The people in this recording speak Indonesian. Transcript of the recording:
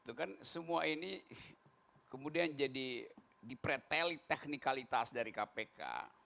itu kan semua ini kemudian jadi dipreteli teknikalitas dari kpk